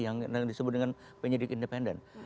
yang disebut dengan penyidik independen